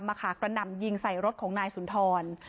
ที่จะมาขาดกระหน่ำยิงใส่รถของนายสุนทร